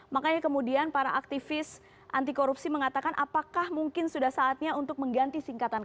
makanya kemudian para aktivis anti korupsi mengatakan apakah mungkin sudah saatnya untuk mengganti singkatan